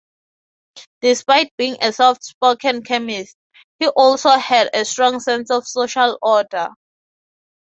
Despite being a soft-spoken chemist, he also had a strong sense of social order.